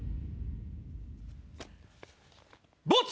ボツ！